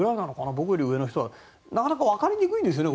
僕より上の人はなかなかわかりにくいんですよね